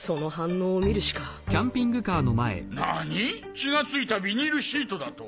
血がついたビニールシートだと？